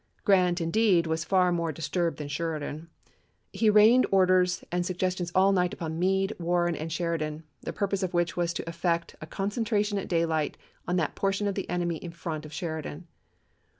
Grant, indeed, was far more disturbed than Sheridan. He rained orders and suggestions all night upon Meade, Warren, and Sheridan, the purpose of which was to effect a con centration at daylight on that portion of the enemy in front of Sheridan.